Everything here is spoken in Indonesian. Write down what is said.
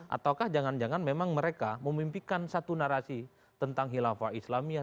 ataukah jangan jangan memang mereka memimpikan satu narasi tentang hilafah islamiyah